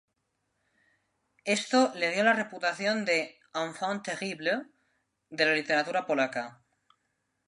Esto le dio la reputación de "enfant terrible" de la literatura polaca.